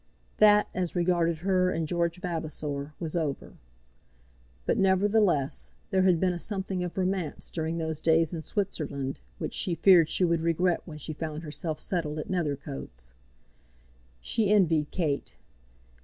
That, as regarded her and George Vavasor, was over. But, nevertheless, there had been a something of romance during those days in Switzerland which she feared she would regret when she found herself settled at Nethercoats. She envied Kate.